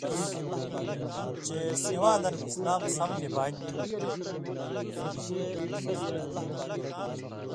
چے سیواں دن اِسلام سم نی بانیۡ تھُو؛